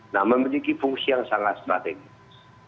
nah memiliki fungsi yang sangat strategis